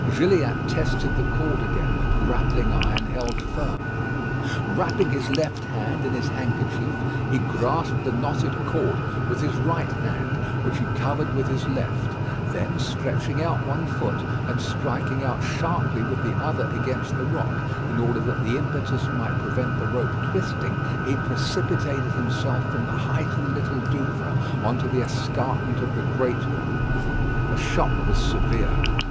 Gilliatt tested the cord again; the grappling iron held firm. Wrapping his left hand in his handkerchief, he grasped the knotted cord with his right hand, which he covered with his left; then stretching out one foot, and striking out sharply with the other against the rock, in order that the impetus might prevent the rope twisting, he precipitated himself from the height of the Little Douvre on to the escarpment of the great one. The shock was severe.